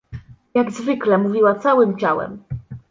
Jak zwykle — mówiła całym ciałem.